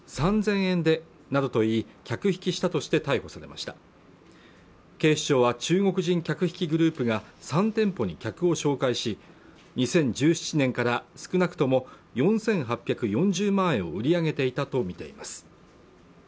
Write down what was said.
３０００円でなどといい客引きしたとして逮捕されました警視庁は中国人客引きグループが３店舗に客を紹介し２０１７年から少なくとも４８４０万円を売り上げていたとみています